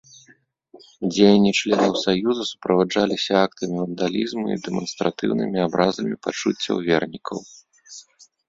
Дзеянні членаў саюза суправаджаліся актамі вандалізму і дэманстратыўнымі абразамі пачуццяў вернікаў.